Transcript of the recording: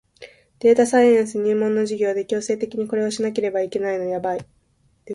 データサイエンス入門の授業で強制的にこれをしなければいけないのやばい